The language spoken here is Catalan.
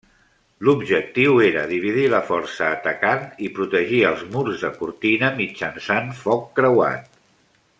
L'objectiu era dividir la força atacant i protegir els murs de cortina mitjançant foc creuat.